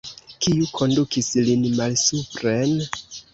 Kiu kondukis lin malsupren?